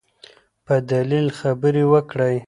په دلیل خبرې وکړئ.